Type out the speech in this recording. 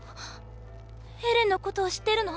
エレンのことを知ってるの？